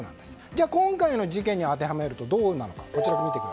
じゃあ今回の事件に当てはめるとどうなのか。